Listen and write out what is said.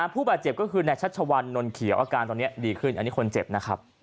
ผู้บาดเจ็บก็คือนายชัชวัลนนเขียวอาการตอนนี้ดีขึ้นอันนี้คนเจ็บนะครับ